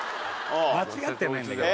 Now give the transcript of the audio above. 間違ってないんだけど。